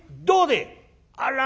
どうでえ！」。